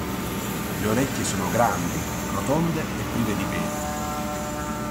Le orecchie sono grandi, rotonde e prive di peli.